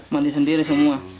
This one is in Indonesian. mandi sendiri semua